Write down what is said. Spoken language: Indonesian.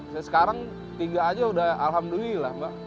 saya sekarang tiga aja udah alhamdulillah mbak